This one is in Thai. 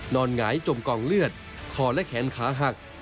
หงายจมกองเลือดคอและแขนขาหัก